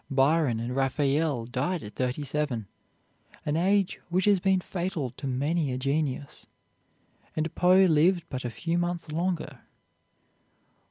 Byron and Raphael died at thirty seven, an age which has been fatal to many a genius, and Poe lived but a few months longer.